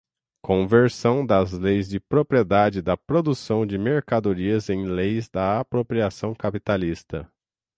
Conversão das leis de propriedade da produção de mercadorias em leis da apropriação capitalista